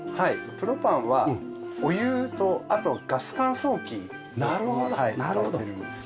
プロパンはお湯とあとガス乾燥機で使ってるんです。